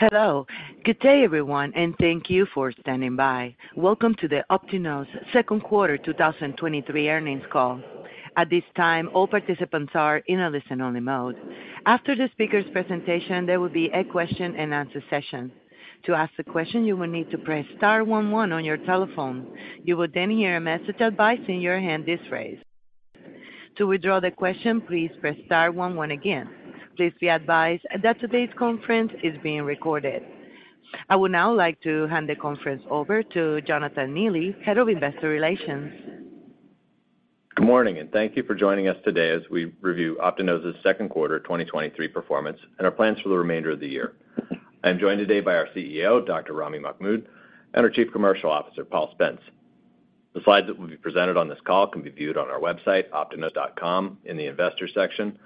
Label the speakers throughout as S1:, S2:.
S1: Hello. Good day, everyone, and thank you for standing by. Welcome to the OptiNose second quarter 2023 earnings call. At this time, all participants are in a listen-only mode. After the speaker's presentation, there will be a question-and-answer session. To ask a question, you will need to press star one one on your telephone. You will then hear a message advising you your hand is raised. To withdraw the question, please press star one one again. Please be advised that today's conference is being recorded. I would now like to hand the conference over to Jonathan Neely, Head of Investor Relations.
S2: Good morning. Thank you for joining us today as we review OptiNose's second quarter 2023 performance and our plans for the remainder of the year. I'm joined today by our CEO, Dr. Ramy Mahmoud, and our Chief Commercial Officer, Paul Spence. The slides that will be presented on this call can be viewed on our website, optinose.com, in the investor section.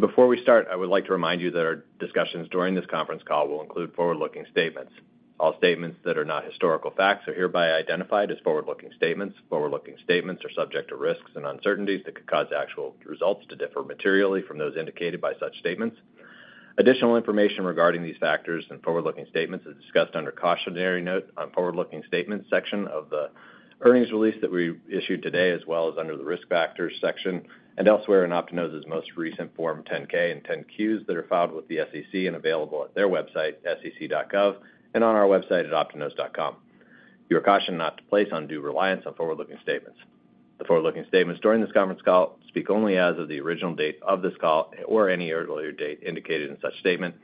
S2: Before we start, I would like to remind you that our discussions during this conference call will include forward-looking statements. All statements that are not historical facts are hereby identified as forward-looking statements. Forward-looking statements are subject to risks and uncertainties that could cause actual results to differ materially from those indicated by such statements. Additional information regarding these factors and forward-looking statements is discussed under Cautionary Note on Forward-Looking Statements section of the earnings release that we issued today, as well as under the Risk Factors section and elsewhere in OptiNose's most recent Form 10-K and 10-Qs that are filed with the SEC and available at their website, sec.gov, and on our website at optinose.com. You are cautioned not to place undue reliance on forward-looking statements. The forward-looking statements during this conference call speak only as of the original date of this call or any earlier date indicated in such statement.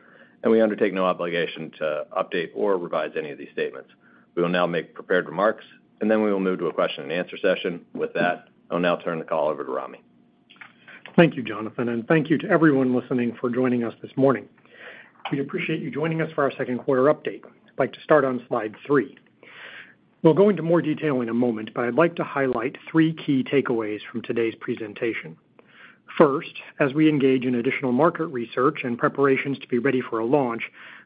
S2: We undertake no obligation to update or revise any of these statements. We will now make prepared remarks. Then we will move to a question-and-answer session. With that, I'll now turn the call over to Ramy.
S3: Thank you, Jonathan. Thank you to everyone listening for joining us this morning. We appreciate you joining us for our second quarter update. I'd like to start on slide 3. We'll go into more detail in a moment, but I'd like to highlight three key takeaways from today's presentation. First, as we engage in additional market research and preparations to be ready for a launch,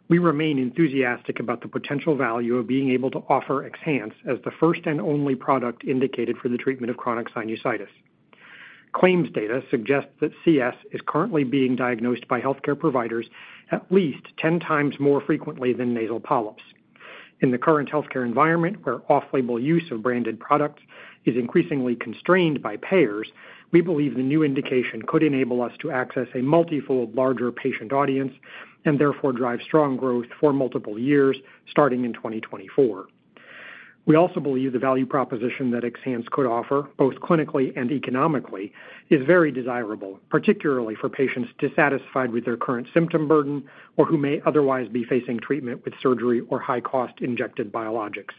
S3: we remain enthusiastic about the potential value of being able to offer XHANCE as the first and only product indicated for the treatment of chronic sinusitis. Claims data suggests that CS is currently being diagnosed by healthcare providers at least 10 times more frequently than nasal polyps. In the current healthcare environment, where off-label use of branded products is increasingly constrained by payers, we believe the new indication could enable us to access a multifold larger patient audience and therefore drive strong growth for multiple years, starting in 2024. We also believe the value proposition that XHANCE could offer, both clinically and economically, is very desirable, particularly for patients dissatisfied with their current symptom burden or who may otherwise be facing treatment with surgery or high-cost injected biologics.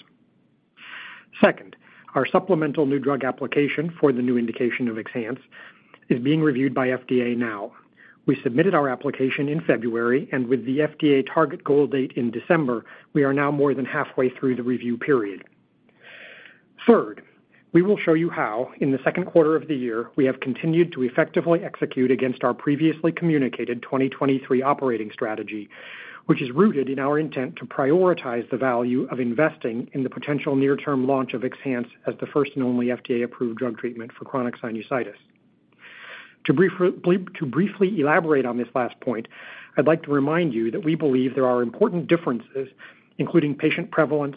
S3: Second, our supplemental new drug application for the new indication of XHANCE is being reviewed by FDA now. We submitted our application in February, and with the FDA target goal date in December, we are now more than halfway through the review period. Third, we will show you how, in the second quarter of the year, we have continued to effectively execute against our previously communicated 2023 operating strategy, which is rooted in our intent to prioritize the value of investing in the potential near-term launch of XHANCE as the first and only FDA-approved drug treatment for chronic sinusitis. To briefly elaborate on this last point, I'd like to remind you that we believe there are important differences, including patient prevalence,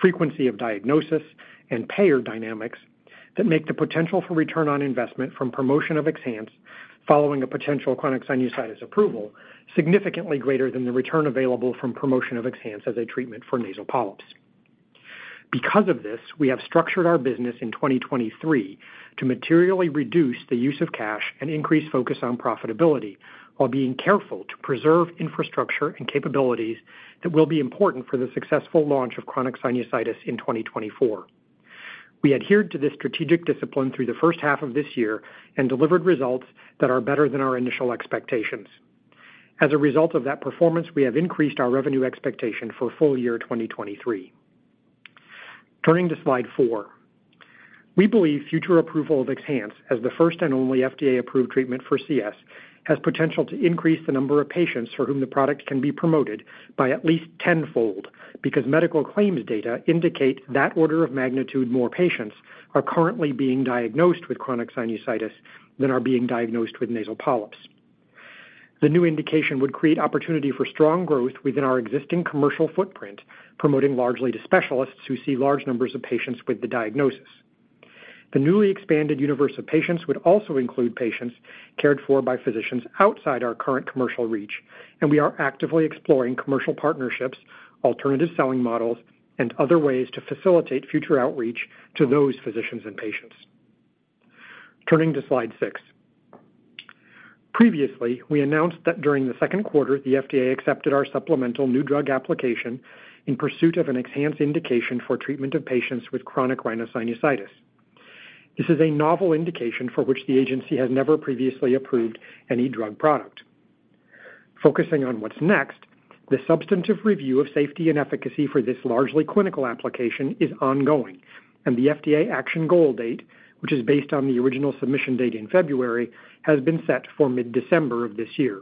S3: frequency of diagnosis, and payer dynamics, that make the potential for return on investment from promotion of XHANCE following a potential chronic sinusitis approval significantly greater than the return available from promotion of XHANCE as a treatment for nasal polyps. Because of this, we have structured our business in 2023 to materially reduce the use of cash and increase focus on profitability while being careful to preserve infrastructure and capabilities that will be important for the successful launch of chronic sinusitis in 2024. We adhered to this strategic discipline through the first half of this year and delivered results that are better than our initial expectations. As a result of that performance, we have increased our revenue expectation for full year 2023. Turning to slide 4. We believe future approval of XHANCE as the first and only FDA-approved treatment for CS, has potential to increase the number of patients for whom the product can be promoted by at least 10-fold, because medical claims data indicate that order of magnitude more patients are currently being diagnosed with chronic sinusitis than are being diagnosed with nasal polyps. The new indication would create opportunity for strong growth within our existing commercial footprint, promoting largely to specialists who see large numbers of patients with the diagnosis. The newly expanded universe of patients would also include patients cared for by physicians outside our current commercial reach, and we are actively exploring commercial partnerships, alternative selling models, and other ways to facilitate future outreach to those physicians and patients. Turning to slide 6. Previously, we announced that during the second quarter, the FDA accepted our supplemental new drug application in pursuit of an XHANCE indication for treatment of patients with chronic rhinosinusitis. This is a novel indication for which the agency has never previously approved any drug product. Focusing on what's next, the substantive review of safety and efficacy for this largely clinical application is ongoing, and the FDA action goal date, which is based on the original submission date in February, has been set for mid-December of this year.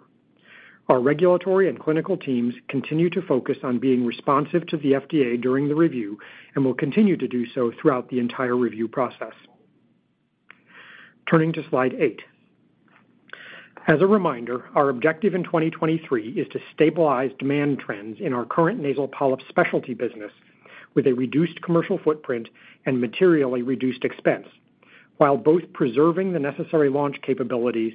S3: Our regulatory and clinical teams continue to focus on being responsive to the FDA during the review and will continue to do so throughout the entire review process. Turning to Slide 8. As a reminder, our objective in 2023 is to stabilize demand trends in our current nasal polyps specialty business with a reduced commercial footprint and materially reduced expense, while both preserving the necessary launch capabilities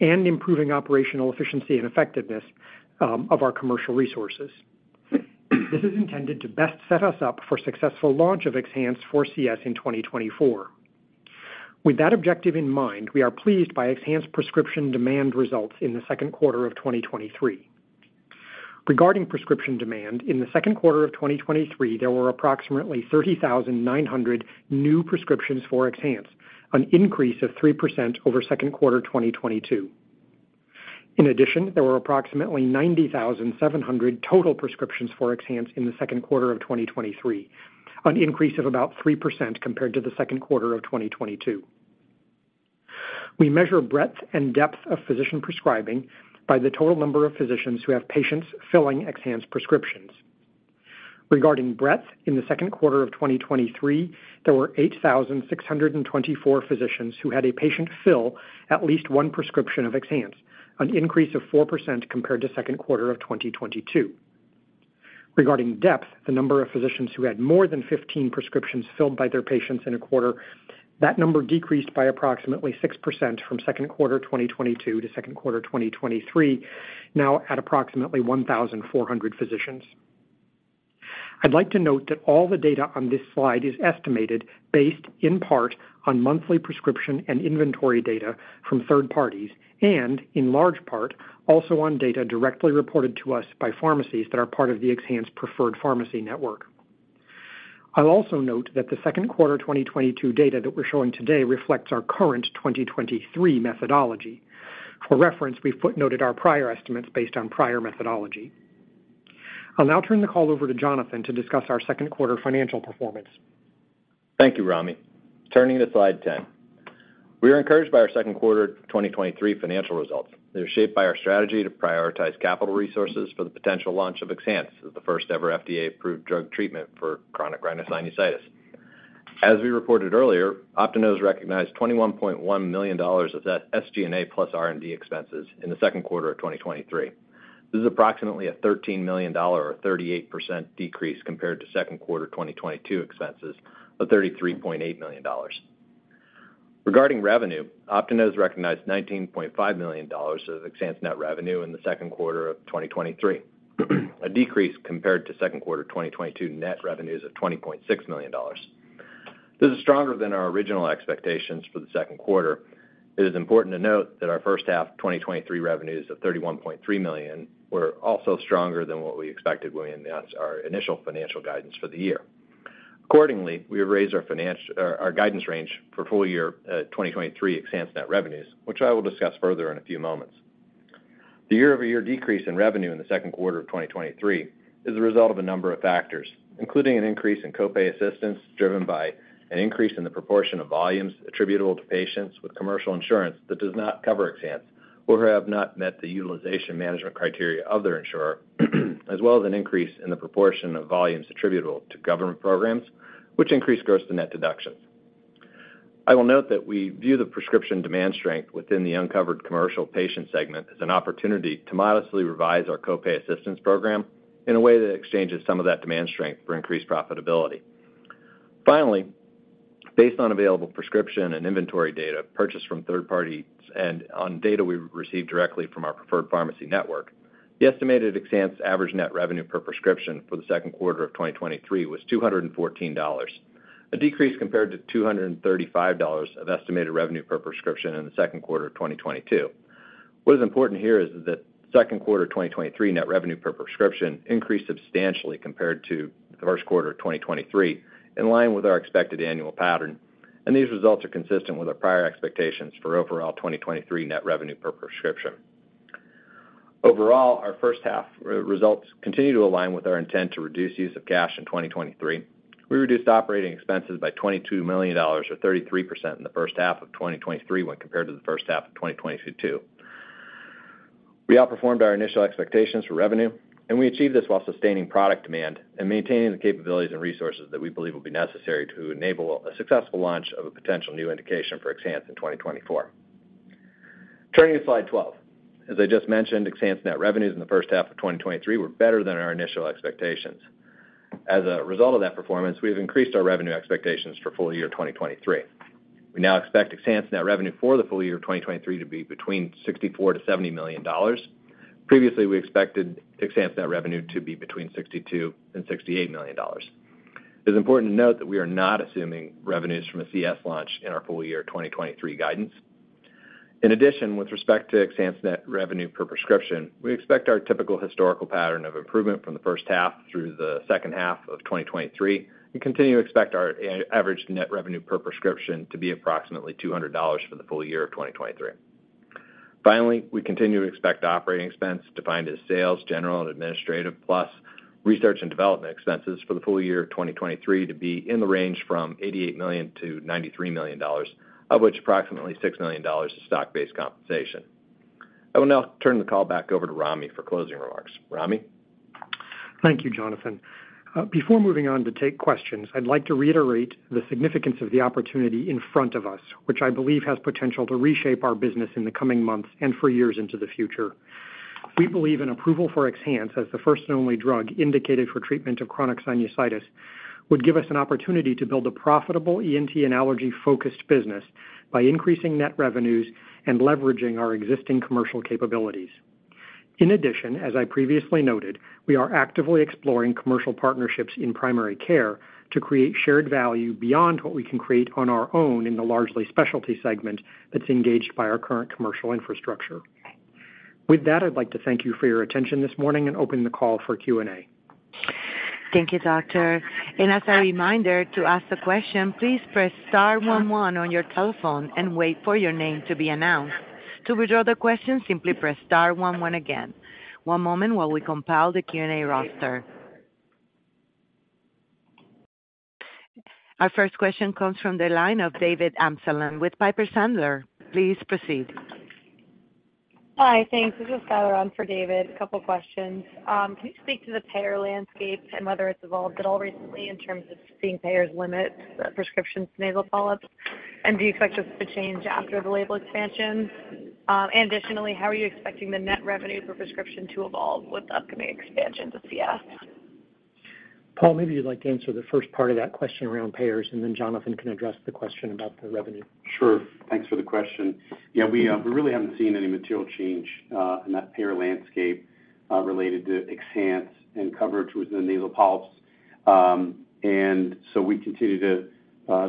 S3: and improving operational efficiency and effectiveness of our commercial resources. This is intended to best set us up for successful launch of XHANCE for CS in 2024. With that objective in mind, we are pleased by XHANCE prescription demand results in the second quarter of 2023. Regarding prescription demand, in the second quarter of 2023, there were approximately 30,900 new prescriptions for XHANCE, an increase of 3% over second quarter 2022. In addition, there were approximately 90,700 total prescriptions for XHANCE in the second quarter of 2023, an increase of about 3% compared to the second quarter of 2022. We measure breadth and depth of physician prescribing by the total number of physicians who have patients filling XHANCE prescriptions. Regarding breadth, in the second quarter of 2023, there were 8,624 physicians who had a patient fill at least one prescription of XHANCE, an increase of 4% compared to second quarter of 2022. Regarding depth, the number of physicians who had more than 15 prescriptions filled by their patients in a quarter, that number decreased by approximately 6% from second quarter 2022 to second quarter 2023, now at approximately 1,400 physicians. I'd like to note that all the data on this slide is estimated based in part on monthly prescription and inventory data from third parties, and in large part, also on data directly reported to us by pharmacies that are part of the XHANCE Preferred Pharmacy Network. I'll also note that the second quarter 2022 data that we're showing today reflects our current 2023 methodology. For reference, we footnoted our prior estimates based on prior methodology. I'll now turn the call over to Jonathan to discuss our second quarter financial performance.
S2: Thank you, Ramy. Turning to Slide 10. We are encouraged by our second quarter 2023 financial results. They're shaped by our strategy to prioritize capital resources for the potential launch of XHANCE as the first-ever FDA-approved drug treatment for chronic rhinosinusitis. As we reported earlier, OptiNose recognized $21.1 million of SG&A plus R&D expenses in the second quarter of 2023. This is approximately a $13 million or 38% decrease compared to second quarter 2022 expenses of $33.8 million. Regarding revenue, OptiNose recognized $19.5 million of XHANCE net revenue in the second quarter of 2023, a decrease compared to second quarter 2022 net revenues of $20.6 million. This is stronger than our original expectations for the second quarter. It is important to note that our first half 2023 revenues of $31.3 million were also stronger than what we expected when we announced our initial financial guidance for the year. Accordingly, we have raised our financial, our guidance range for full year 2023 XHANCE net revenues, which I will discuss further in a few moments. The year-over-year decrease in revenue in the second quarter of 2023 is a result of a number of factors, including an increase in copay assistance, driven by an increase in the proportion of volumes attributable to patients with commercial insurance that does not cover XHANCE or have not met the utilization management criteria of their insurer, as well as an increase in the proportion of volumes attributable to government programs, which increase gross to net deductions. I will note that we view the prescription demand strength within the uncovered commercial patient segment as an opportunity to modestly revise our copay assistance program in a way that exchanges some of that demand strength for increased profitability. Based on available prescription and inventory data purchased from third parties and on data we've received directly from our preferred pharmacy network, the estimated XHANCE average net revenue per prescription for the second quarter of 2023 was $214, a decrease compared to $235 of estimated revenue per prescription in the second quarter of 2022. What is important here is that second quarter 2023 net revenue per prescription increased substantially compared to the first quarter of 2023, in line with our expected annual pattern, and these results are consistent with our prior expectations for overall 2023 net revenue per prescription. Overall, our first half results continue to align with our intent to reduce use of cash in 2023. We reduced operating expenses by $22 million, or 33%, in the first half of 2023 when compared to the first half of 2022. We outperformed our initial expectations for revenue, and we achieved this while sustaining product demand and maintaining the capabilities and resources that we believe will be necessary to enable a successful launch of a potential new indication for XHANCE in 2024. Turning to Slide 12. As I just mentioned, XHANCE net revenues in the first half of 2023 were better than our initial expectations. As a result of that performance, we've increased our revenue expectations for full year 2023. We now expect XHANCE net revenue for the full year of 2023 to be between $64 million-$70 million. Previously, we expected XHANCE net revenue to be between $62 million and $68 million. It's important to note that we are not assuming revenues from a CS launch in our full year 2023 guidance. In addition, with respect to XHANCE net revenue per prescription, we expect our typical historical pattern of improvement from the first half through the second half of 2023, and continue to expect our average net revenue per prescription to be approximately $200 for the full year of 2023. Finally, we continue to expect operating expense, defined as sales, general, and administrative, plus research and development expenses for the full year of 2023 to be in the range from $88 million-$93 million, of which approximately $6 million is stock-based compensation. I will now turn the call back over to Ramy for closing remarks. Ramy?
S3: Thank you, Jonathan. Before moving on to take questions, I'd like to reiterate the significance of the opportunity in front of us, which I believe has potential to reshape our business in the coming months and for years into the future. We believe an approval for XHANCE as the first and only drug indicated for treatment of chronic sinusitis, would give us an opportunity to build a profitable ENT and allergy-focused business by increasing net revenues and leveraging our existing commercial capabilities. In addition, as I previously noted, we are actively exploring commercial partnerships in primary care to create shared value beyond what we can create on our own in the largely specialty segment that's engaged by our current commercial infrastructure. With that, I'd like to thank you for your attention this morning and open the call for Q&A.
S1: Thank you, doctor. As a reminder, to ask a question, please press star one one your telephone and wait for your name to be announced. To withdraw the question, simply press star one one again. One moment while we compile the Q&A roster. Our first question comes from the line of David Amsellem with Piper Sandler. Please proceed.
S4: Hi, thanks. This is Skyler on for David. A couple questions. Can you speak to the payer landscape and whether it's evolved at all recently in terms of seeing payers limit prescriptions to nasal polyps? Do you expect this to change after the label expansion? Additionally, how are you expecting the net revenue per prescription to evolve with the upcoming expansion to CS?
S3: Paul, maybe you'd like to answer the first part of that question around payers. Jonathan can address the question about the revenue.
S5: Sure. Thanks for the question. Yeah, we really haven't seen any material change in that payer landscape related to XHANCE and coverage within the nasal polyps. So we continue to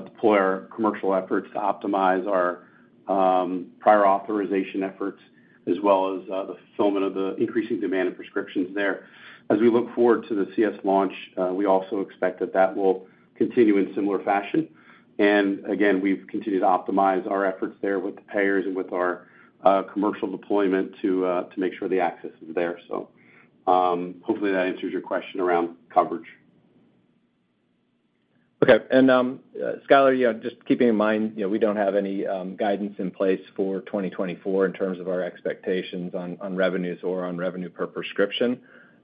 S5: deploy our commercial efforts to optimize our prior authorization efforts, as well as the fulfillment of the increasing demand of prescriptions there. As we look forward to the CS launch, we also expect that that will continue in similar fashion. Again, we've continued to optimize our efforts there with the payers and with our commercial deployment to make sure the access is there. Hopefully, that answers your question around coverage. Okay, Skyler, you know, just keeping in mind, you know, we don't have any guidance in place for 2024 in terms of our expectations on revenues or on revenue per prescription.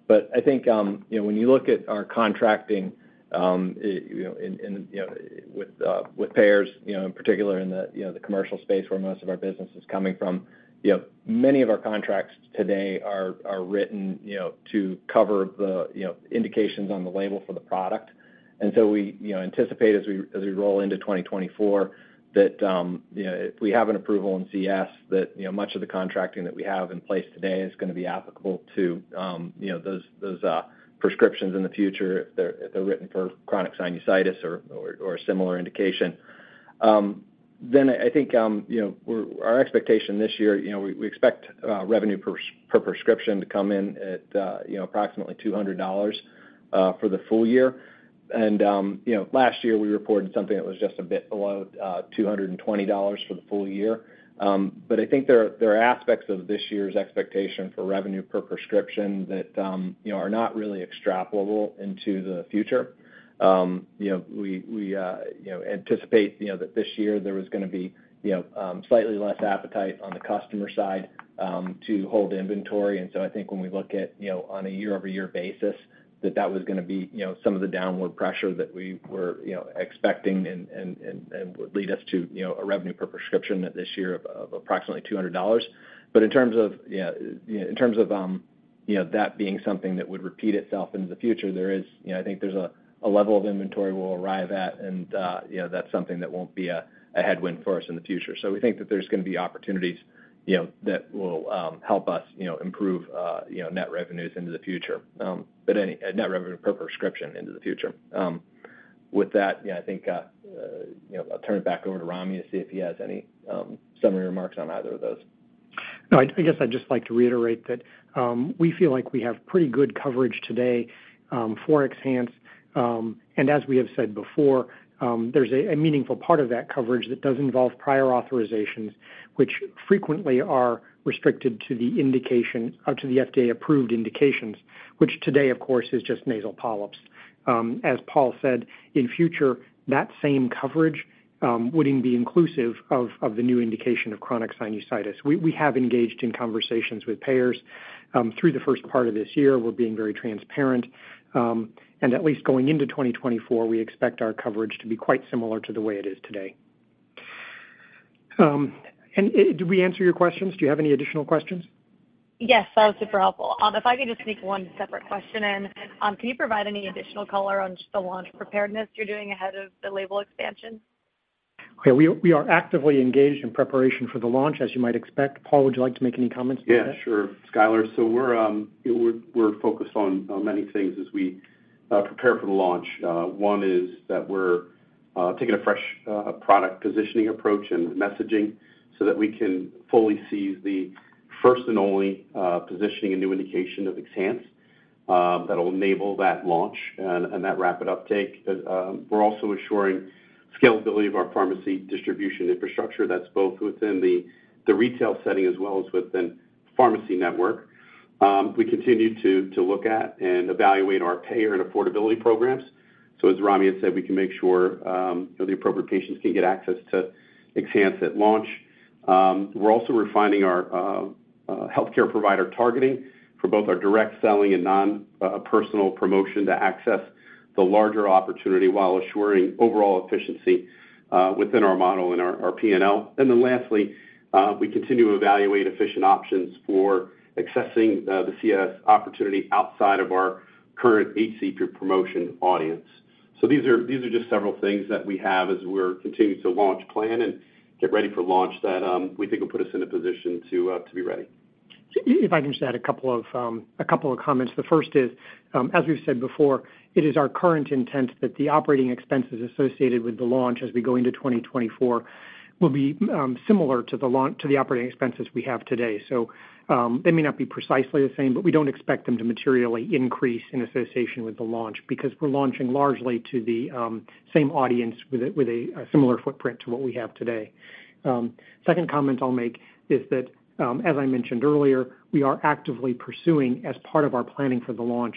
S5: I think, you know, when you look at our contracting, you know, in, you know, with payers, you know, in particular in the commercial space where most of our business is coming from, you know, many of our contracts today are written, you know, to cover the indications on the label for the product. We, you know, anticipate as we, as we roll into 2024, that, you know, if we have an approval in CS, that, you know, much of the contracting that we have in place today is gonna be applicable to, you know, those, those prescriptions in the future if they're, if they're written for chronic sinusitis or, or, or a similar indication. I think, you know, our expectation this year, you know, we, we expect revenue per prescription to come in at, you know, approximately $200 for the full year. You know, last year, we reported something that was just a bit below $220 for the full year. I think there are, there are aspects of this year's expectation for revenue per prescription that are not really extrapolable into the future. We, we, anticipate that this year there was gonna be slightly less appetite on the customer side to hold inventory. So I think when we look at on a year-over-year basis, that that was gonna be some of the downward pressure that we were expecting and, and, and, and would lead us to a revenue per prescription this year of approximately $200. In terms of, you know, in terms of, you know, that being something that would repeat itself into the future, there is, you know, I think there's a level of inventory we'll arrive at, and, you know, that's something that won't be a headwind for us in the future. We think that there's gonna be opportunities, you know, that will help us, you know, improve, you know, net revenues into the future. But any net revenue per prescription into the future. With that, yeah, I think, you know, I'll turn it back over to Rami to see if he has any summary remarks on either of those.
S3: No, I, I guess I'd just like to reiterate that we feel like we have pretty good coverage today for XHANCE. As we have said before, there's a meaningful part of that coverage that does involve prior authorizations, which frequently are restricted to the indication, to the FDA-approved indications, which today, of course, is just nasal polyps. As Paul said, in future, that same coverage would then be inclusive of the new indication of chronic sinusitis. We have engaged in conversations with payers through the first part of this year. We're being very transparent. At least going into 2024, we expect our coverage to be quite similar to the way it is today. Did we answer your questions? Do you have any additional questions?
S4: Yes, that was super helpful. If I could just sneak one separate question in. Can you provide any additional color on just the launch preparedness you're doing ahead of the label expansion?
S3: Okay. We, we are actively engaged in preparation for the launch, as you might expect. Paul, would you like to make any comments about that?
S5: Yeah, sure. Skyler, so we're, you know, we're, we're focused on, on many things as we prepare for the launch. One is that we're taking a fresh product positioning approach and messaging so that we can fully seize the first and only positioning and new indication of XHANCE that will enable that launch and that rapid uptake. We're also assuring scalability of our pharmacy distribution infrastructure. That's both within the retail setting as well as within pharmacy network. We continue to look at and evaluate our payer and affordability programs. As Rami has said, we can make sure, you know, the appropriate patients can get access to XHANCE at launch.... We're also refining our healthcare provider targeting for both our direct selling and non personal promotion to access the larger opportunity, while assuring overall efficiency within our model and our, our PNL. Lastly, we continue to evaluate efficient options for accessing the CS opportunity outside of our current AC group promotion audience. These are, these are just several things that we have as we're continuing to launch plan and get ready for launch, that we think will put us in a position to be ready.
S3: If I can just add a couple of comments. The first is, as we've said before, it is our current intent that the operating expenses associated with the launch as we go into 2024, will be similar to the operating expenses we have today. They may not be precisely the same, but we don't expect them to materially increase in association with the launch, because we're launching largely to the same audience with a, with a, a similar footprint to what we have today. Second comment I'll make is that, as I mentioned earlier, we are actively pursuing, as part of our planning for the launch,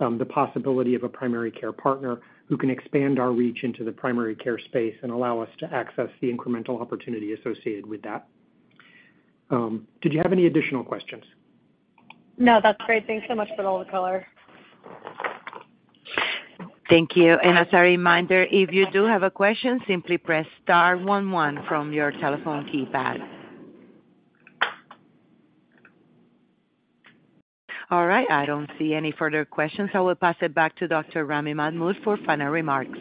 S3: the possibility of a primary care partner who can expand our reach into the primary care space and allow us to access the incremental opportunity associated with that. Did you have any additional questions?
S4: No, that's great. Thanks so much for all the color.
S1: Thank you. As a reminder, if you do have a question, simply press star one one from your telephone keypad. All right, I don't see any further questions, I will pass it back to Dr. Rami Mahmoud for final remarks.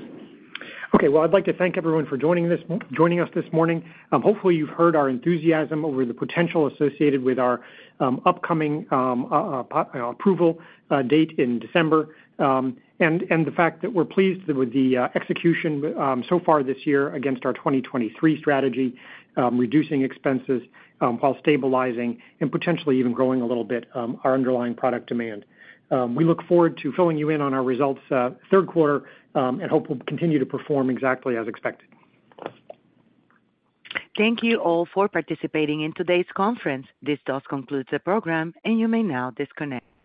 S3: Okay. Well, I'd like to thank everyone for joining us this morning. Hopefully, you've heard our enthusiasm over the potential associated with our upcoming approval date in December. The fact that we're pleased with the execution so far this year against our 2023 strategy, reducing expenses, while stabilizing and potentially even growing a little bit, our underlying product demand. We look forward to filling you in on our results, third quarter, and hope we'll continue to perform exactly as expected.
S1: Thank you all for participating in today's conference. This does conclude the program, and you may now disconnect.